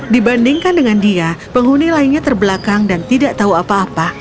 dibandingkan dengan dia penghuni lainnya terbelakang dan tidak tahu apa apa